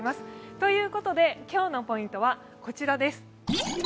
ということで今日のポイントはこちらです。